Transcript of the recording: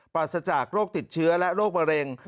ปราศจากโรคติดเชื้อและโรคมะเร็ง